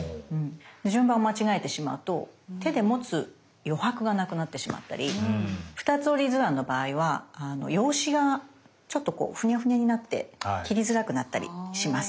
順番を間違えてしまうと手で持つ余白がなくなってしまったり２つ折り図案の場合は用紙がちょっとこうフニャフニャになって切りづらくなったりします。